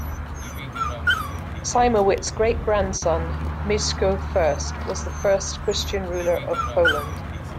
Siemowit's great grandson, Mieszko I, was the first Christian ruler of Poland.